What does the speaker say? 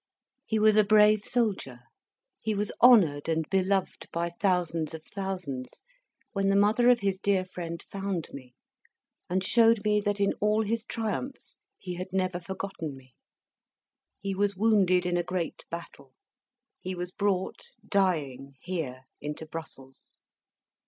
He was a brave soldier. He was honoured and beloved by thousands of thousands, when the mother of his dear friend found me, and showed me that in all his triumphs he had never forgotten me. He was wounded in a great battle. He was brought, dying, here, into Brussels.